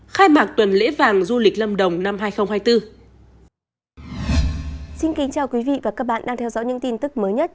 khai mạc tuần lễ vàng du lịch lâm đồng năm hai nghìn hai mươi bốn